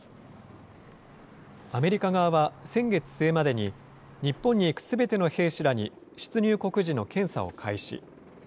アメリカ側は先月末までに、日本に行くすべての兵士らに、出入国時の検査を開始。